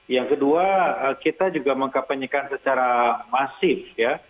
yang kedua kita juga mengkapanyekan secara masif ya